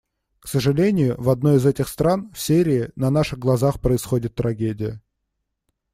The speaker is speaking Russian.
К сожалению, в одной из этих стран — в Сирии — на наших глазах происходит трагедия.